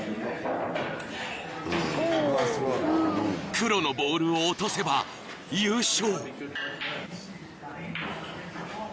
［黒のボールを落とせば優勝］